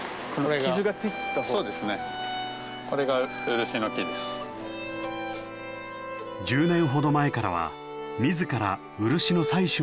１０年ほど前からは自ら漆の採取も始めました。